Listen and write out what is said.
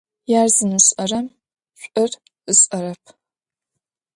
Ер зымышӏэрэм шӏур ышӏэрэп.